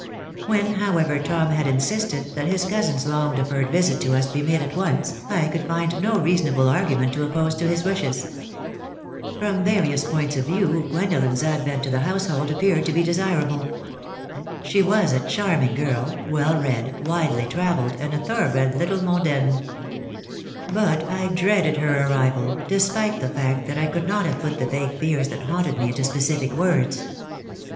When, however, Tom had insisted that his cousin's long deferred visit to us be made at once, I could find no reasonable argument to oppose to his washes. From various points of view, Gwendolen's advent to the household appeared to be desirable. She was a charming girl, well read, widely traveled and a thoroughbred little mondaine. But I dreaded her arrival, despite the fact that I could not have put the vague fears that haunted me into specific words.